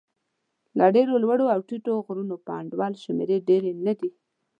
د ډېرو لوړو او ټیټو غرونو په انډول شمېرې ډېرې نه دي.